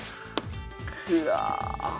くわ！